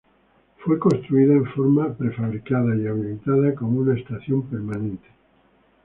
Fue construida en forma prefabricada y habilitada como una estación permanente.